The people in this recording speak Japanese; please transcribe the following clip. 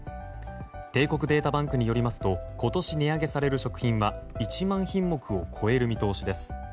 帝国データバンクによりますと今年値上げされる食品は１万品目を超える見通しです。